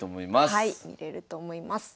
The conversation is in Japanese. はい見れると思います。